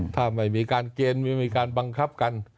ถ้าไม่มีการเกณฑ์ไม่มีการบังคับกัน